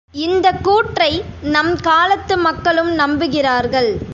இந்தக் கூற்றை நம் காலத்து மக்களும் நம்புகிறார்கள்!